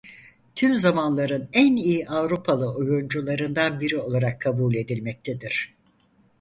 Tüm zamanların en iyi Avrupalı oyuncularından biri olarak kabul edilmektedir.